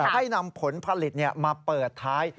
ให้นำผลผลิตมาเปิดท้าย